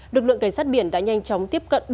lực lượng cảnh sát biển đã nhanh chóng tiếp cận